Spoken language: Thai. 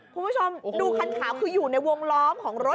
คุณผู้ชมดูคันขาวคืออยู่ในวงล้อมของรถ